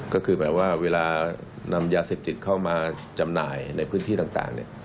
ก็คือแบบว่าเวลานำยาเสพติดเข้ามาจำหน่ายในพื้นที่ต่าง